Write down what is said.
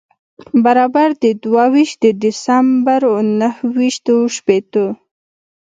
برابر د دوه ویشت د دسمبر و نهه ویشت و شپېتو.